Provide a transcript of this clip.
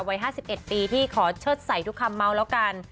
วัย๕๑ปีที่ขอเชิดใส่ทุกคำเมาแล้วกัน